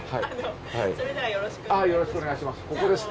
よろしくお願いします。